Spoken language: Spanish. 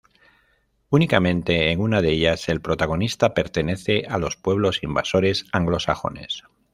Únicamente en una de ellas, el protagonista pertenece a los pueblos invasores anglosajones.